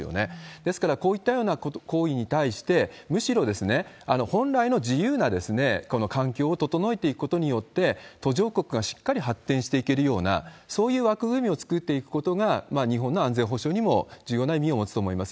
ですから、こういったような行為に対して、むしろ本来の自由なこの環境を整えていくことによって、途上国がしっかり発展していけるような、そういう枠組みを作っていくことが、日本の安全保障にも重要な意味を持つと思います。